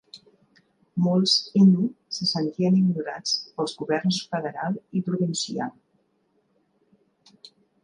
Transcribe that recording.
Molts innu se sentien ignorats pels governs federal i provincial.